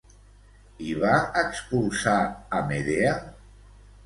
I va expulsar a Medea?